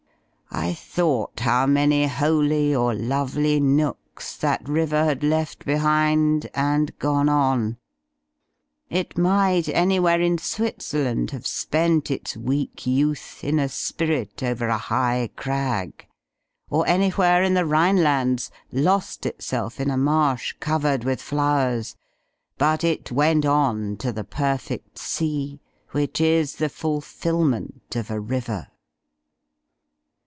I thought how many holy or lovely nooks that river had left behind, and gone on. It might an3rwhere in Switzerland have spent its weak youth in a spirit over a high crag, or an)rwhere in the Rhinelands lost itself in a marsh covered with flowers. But it went on to the perfect sea, which is the fulfil ment of a river."